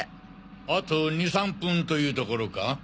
あと２３分というところか。